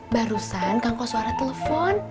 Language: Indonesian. barusan kang koswara telepon